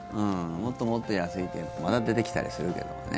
もっともっと安い店舗もまた出てきたりするけどね。